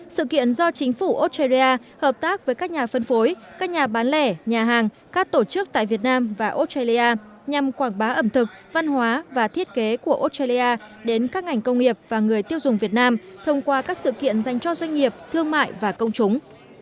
sự kiện do chính phủ australia hợp tác với các nhà phân phối các nhà bán lẻ nhà hàng các tổ chức tại việt nam và australia nhằm quảng bá ẩm thực văn hóa và thiết kế của australia đến các ngành công nghiệp và người tiêu dùng việt nam thông qua các sự kiện dành cho doanh nghiệp thương mại và công chúng